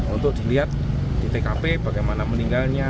untuk dilihat di tkp bagaimana meninggalnya